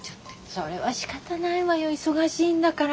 それはしかたないわよ忙しいんだから。